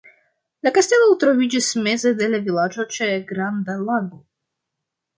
La kastelo troviĝis meze de la vilaĝo ĉe granda lago.